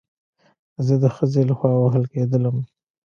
زه د خځې له خوا وهل کېدلم